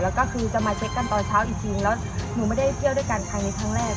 แล้วก็คือจะมาเช็คกันตอนเช้าจริงแล้วหนูไม่ได้เที่ยวด้วยกันครั้งนี้ครั้งแรก